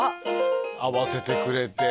合わせてくれて